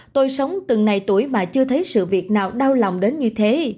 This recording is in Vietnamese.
tôi sống từng ngày tuổi mà chưa thấy sự việc nào đau lòng đến như thế